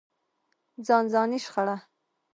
ځانځاني شخړه.